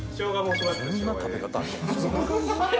そんな食べ方ある。